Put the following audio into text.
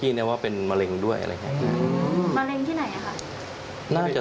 ช่องท้อง